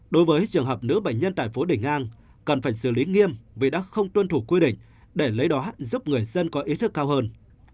đối với trường hợp nữ bệnh nhân tại phố đình ngang cần phải xử lý nghiêm vì đã không tuân thủ quy định để lấy đó giúp người dân có ý thức cao hơn